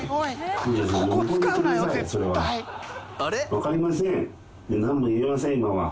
わかりません。